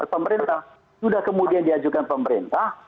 pemerintah sudah kemudian diajukan pemerintah